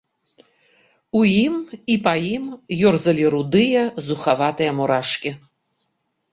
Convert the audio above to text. У ім і па ім ёрзалі рудыя, зухаватыя мурашкі.